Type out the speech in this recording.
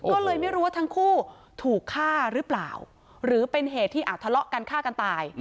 ก็เลยไม่รู้ว่าทั้งคู่ถูกฆ่าหรือเปล่าหรือเป็นเหตุที่อาจทะเลาะกันฆ่ากันตาย